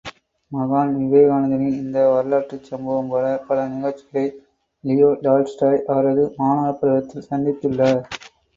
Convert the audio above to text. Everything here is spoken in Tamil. மகான் விவேகானந்தரின் இந்த வரலாற்றுச்சம்பவம் போல, பல நிகழ்ச்சிகளை லியோ டால்ஸ்டாய் அவரது மாணவப் பருவத்தில் சந்தித்துள்ளார்.